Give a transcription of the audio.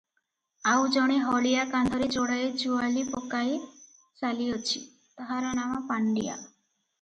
ଆଉ ଜଣେ ହଳିଆ କାନ୍ଧରେ ଯୋଡ଼ାଏ ଯୁଆଳି ପକାଇ ଚାଲିଅଛି, ତାହାର ନାମ ପାଣ୍ତିଆ ।